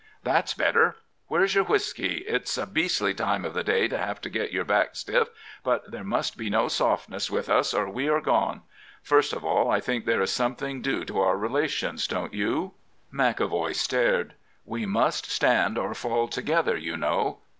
"'That's better. Where's your whisky? It's a beastly time of the day to have to get your back stiff, but there must be no softness with us, or we are gone. First of all, I think there is something due to our relations, don't you?' "McEvoy stared. "'We must stand or fall together, you know.